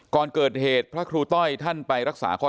ก่อนเกิดเหตุพระครูต้อยท่านไปรักษาข้อ